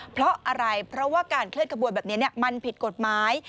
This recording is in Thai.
เพราะอะไรเพราะว่าการเคลื่อนขบวนแบบนี้มันผิดกฎหมาย